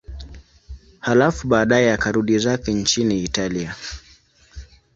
Halafu baadaye akarudi zake nchini Italia.